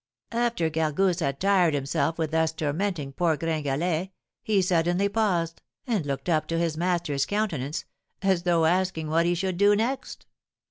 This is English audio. After Gargousse had tired himself with thus tormenting poor Gringalet, he suddenly paused, and looked up to his master's countenance, as though asking what he should do next.